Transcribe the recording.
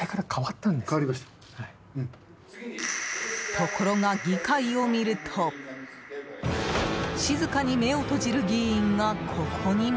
ところが議会を見ると静かに目を閉じる議員がここにも。